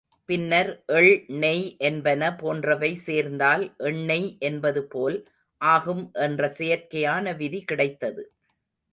பின்னர், எள் நெய் என்பன போன்றவை சேர்ந்தால் எண்ணெய் என்பதுபோல் ஆகும் என்ற செயற்கையான விதி கிடைத்தது.